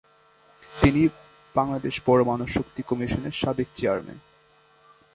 তিনি বাংলাদেশ পরমাণু শক্তি কমিশন এর সাবেক চেয়ারম্যান।